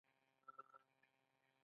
هغه دا د یوې نظریې په توګه ترتیب کړه.